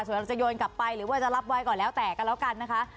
ส่วนเราจะโยนกลับไปหรือว่าจะรับไว้ก่อนแล้วแต่ก็แล้วกันนะคะ